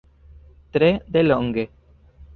Tre delonge.